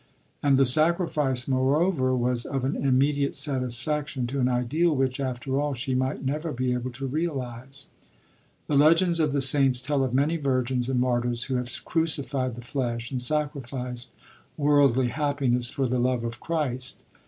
And the sacrifice, moreover, was of an immediate satisfaction to an ideal which after all she might never be able to realize. The legends of the saints tell of many virgins and martyrs who have crucified the flesh and sacrificed worldly happiness for the love of Christ.